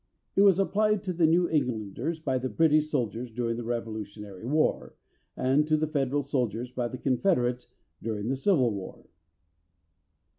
It was applied to the New Englanders by the British soldiers during the Revolutionary War, and to the Federal soldiers by the Confederates during the Civil War.